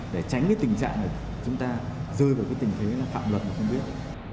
để tránh cái tình trạng là chúng ta rơi vào cái tình thế phạm luật mà không biết